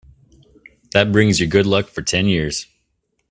That brings you good luck for ten years.